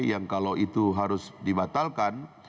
yang kalau itu harus dibatalkan